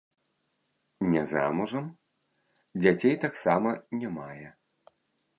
Не замужам, дзяцей таксама не мае.